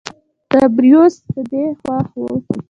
تبریوس په دې خوښ و.